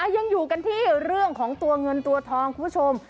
ยังอยู่กันที่เรื่องของตัวเงินตัวทองคุณผู้ชม